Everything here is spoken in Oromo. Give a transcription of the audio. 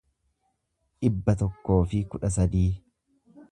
dhibba tokkoo fi kudha sadii